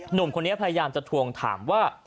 หนุ่มคนนี้พยายามจะทวงถามว่า